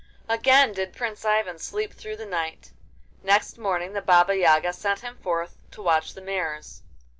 Again did Prince Ivan sleep through the night. Next morning the Baba Yaga sent him forth to watch the mares.